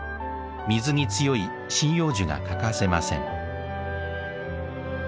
水に強い針葉樹が欠かせません。